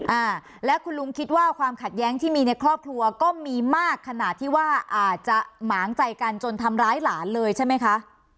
อ่าและคุณลุงคิดว่าความขัดแย้งที่มีในครอบครัวก็มีมากขนาดที่ว่าอาจจะหมางใจกันจนทำร้ายหลานเลยใช่ไหมคะ